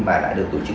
mà lại được tổ chức